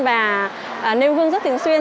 và nêu hương rất thường xuyên